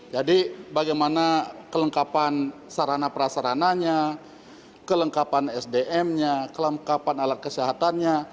jadi bagaimana kelengkapan sarana prasarananya kelengkapan sdm nya kelengkapan alat kesehatannya